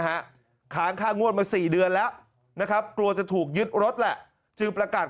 ค้างค่างวดมาสี่เดือนแล้วนะครับกลัวจะถูกยึดรถแหละจึงประกาศ